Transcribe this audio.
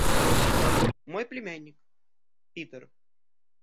Мой племянник Питер.